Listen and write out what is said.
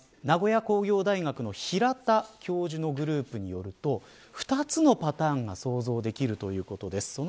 名古屋工業大学の平田教授のグループによると２つのパターンが想像できるということです。